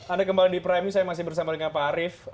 anda kembali di prime saya masih bersama dengan pak arief